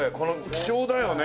貴重だよね。